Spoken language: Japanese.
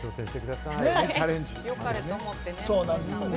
良かれと思ってね。